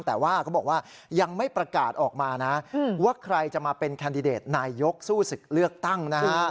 แต่ว่าเขาบอกว่ายังไม่ประกาศออกมานะว่าใครจะมาเป็นแคนดิเดตนายกสู้ศึกเลือกตั้งนะฮะ